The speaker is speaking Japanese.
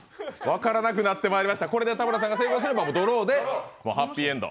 分からなくなってきました、これで田村さんが成功すればドローでハッピーエンド。